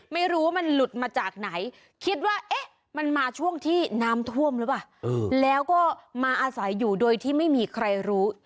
ไม่รู้ว่ามันหลุดมาจากไหนคิดว่าเอ๊ะมันมาช่วงที่น้ำท่วมหรือเปล่าแล้วก็มาอาศัยอยู่โดยที่ไม่มีใครรู้